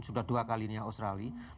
sudah dua kalinya australia